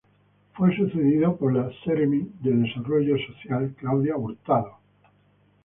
Fue sucedido por la seremi de Desarrollo Social, Claudia Hurtado.